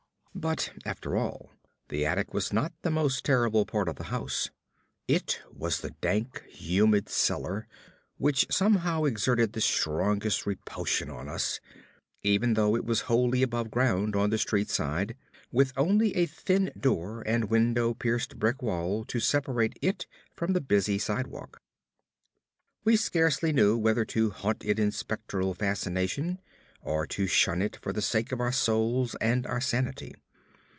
But after all, the attic was not the most terrible part of the house. It was the dank, humid cellar which somehow exerted the strongest repulsion on us, even though it was wholly above ground on the street side, with only a thin door and window pierced brick wall to separate it from the busy sidewalk. We scarcely knew whether to haunt it in spectral fascination, or to shun it for the sake of our souls and our sanity.